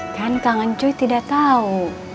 kan kak ngooy tidak tahu